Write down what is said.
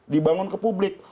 dibangun ke publik